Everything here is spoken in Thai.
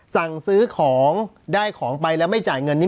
สั่งซื้อของได้ของไปแล้วไม่จ่ายเงินนี่